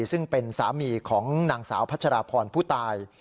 ซึ่งเป็นสามีของนางสาวพัชราพรผู้ตาย